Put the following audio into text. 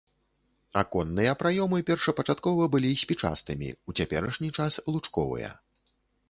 Аконныя праёмы першапачаткова былі спічастымі, у цяперашні час лучковыя.